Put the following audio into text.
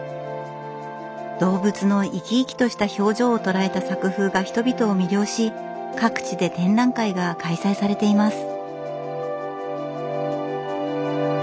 動物の生き生きとした表情を捉えた作風が人々を魅了し各地で展覧会が開催されています。